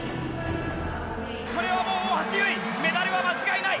これは大橋悠依メダルは間違いない。